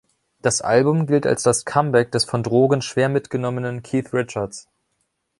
Das Album gilt als das Comeback des von Drogen schwer mitgenommenen Keith Richards.